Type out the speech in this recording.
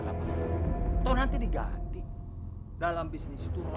kan dipecahin sih